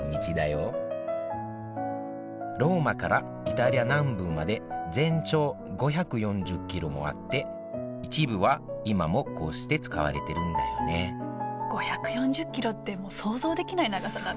ローマからイタリア南部まで全長５４０ｋｍもあって一部は今もこうして使われているんだよね５４０ｋｍって想像できない長さだね